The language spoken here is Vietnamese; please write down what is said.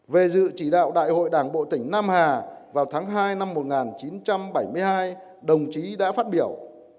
về dự chỉ đạo đại hội đảng bộ tỉnh nam hà vào tháng hai năm một nghìn chín trăm bảy mươi hai đồng chí đã phát biểu